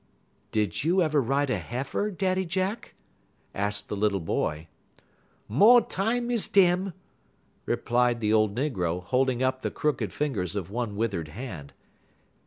"Did you ever ride a heifer, Daddy Jack?" asked the little boy. "Mo' tam es dem," replied the old negro, holding up the crooked fingers of one withered hand.